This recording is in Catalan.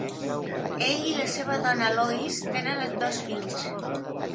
Ell i la seva dona Lois tenen dos fills.